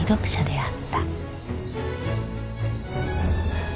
あっ。